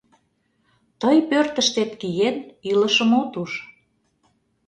Тый, пӧртыштет киен, илышым от уж.